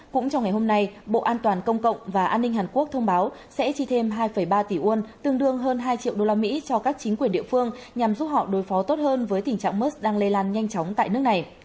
cũng trong ngày hôm nay bộ an toàn công cộng và an ninh hàn quốc thông báo sẽ chi thêm hai ba tỷ won tương đương hơn hai triệu đô la mỹ cho các chính quyền địa phương nhằm giúp họ đối phó tốt hơn với tình trạng mất đang lây lan nhanh chóng tại nước này